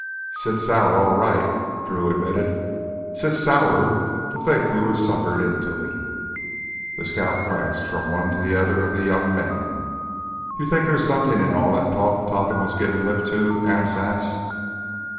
"Sits sour all right," Drew admitted. "Sits sourer to think we were suckered into it." The scout glanced from one to the other of the young men. "You think there's somethin' in all that talk Topham was givin' lip to?" Anse asked.